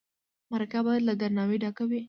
مرکه باید له درناوي ډکه وي.